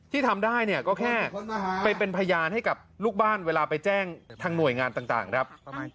ทำได้เนี่ยก็แค่ไปเป็นพยานให้กับลูกบ้านเวลาไปแจ้งทางหน่วยงานต่างครับ